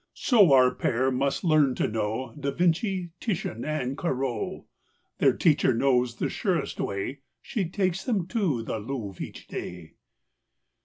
So our pair must learn to know Da Vinci, Titian and Corot. Their teacher knows the surest way: She takes them to the Louvre each day.